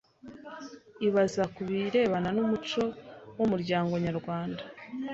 ibaza ku birebana n’umuco w’umuryango nyarwanda